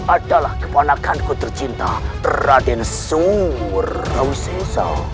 adalah keponakan kutercinta raden surawisesa